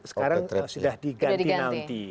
sekarang sudah diganti nanti